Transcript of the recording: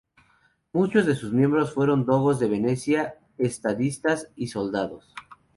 Muchos de sus miembros fueron dogos de Venecia, estadistas y soldados.